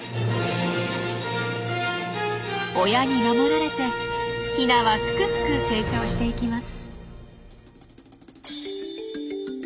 親に守られてヒナはすくすく成長していきます。